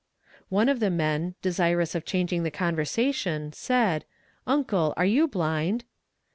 One of the men, desirous of changing the conversation, said: "Uncle, are you blind?"